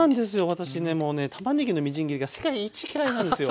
私ねもうねたまねぎのみじん切りが世界一嫌いなんですよ。